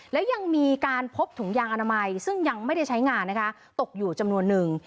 แล้วยังมีการพบถุงยางอนามัยซึ่งยังไม่ได้ใช้งานนะคะตกอยู่จำนวนนึง